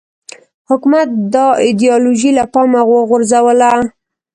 حکومت دا ایدیالوژي له پامه وغورځوله